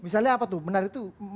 misalnya apa tuh menarik itu